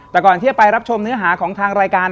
แต่ก่อนที่จะไปรับชมเนื้อหาของทางรายการ